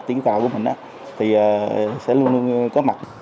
thì sẽ luôn luôn có mặt